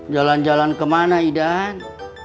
jalan jalan kemana idan